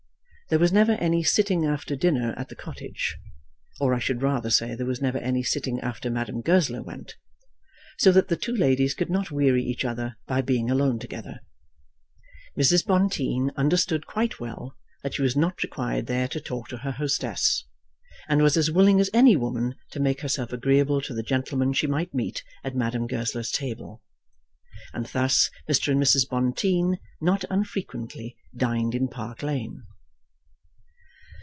There was never any sitting after dinner at the cottage; or, I should rather say, there was never any sitting after Madame Goesler went; so that the two ladies could not weary each other by being alone together. Mrs. Bonteen understood quite well that she was not required there to talk to her hostess, and was as willing as any woman to make herself agreeable to the gentlemen she might meet at Madame Goesler's table. And thus Mr. and Mrs. Bonteen not unfrequently dined in Park Lane.